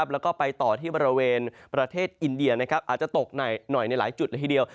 แล้วก็ไปต่อที่บริเวณประเทศอินเดียอาจจะตกหน่อยในหลายจุดละทีเดียว